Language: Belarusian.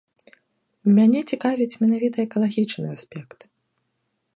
Мяне цікавіць менавіта экалагічны аспект.